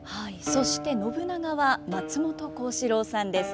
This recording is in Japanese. そして信長は松本幸四郎さんです。